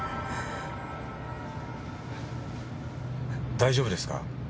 大丈夫ですか？